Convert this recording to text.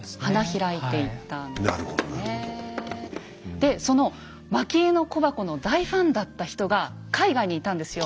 でそのまき絵の小箱の大ファンだった人が海外にいたんですよ。